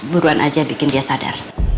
buruan aja bikin dia sadar